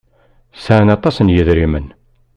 Sɛan aṭas n yedrimen.